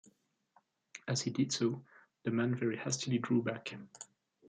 As he did so, the man very hastily drew back.